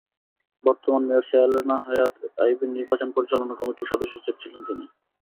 বর্তমান মেয়র সেলিনা হায়াৎ আইভীর নির্বাচন পরিচালনা কমিটির সদস্যসচিব ছিলেন তিনি।